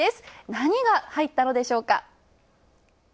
何が入ったのでしょうか。